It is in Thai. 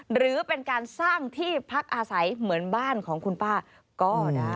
หรือเป็นการสร้างที่พักอาศัยเหมือนบ้านของคุณป้าก็ได้